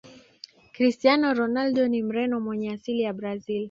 cristiano ronaldo ni mreno mwenye asili ya brazil